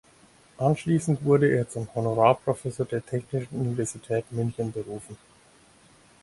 Anschließend wurde er zum Honorarprofessor der Technischen Universität München berufen.